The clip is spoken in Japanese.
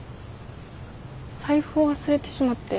財布を忘れてしまって。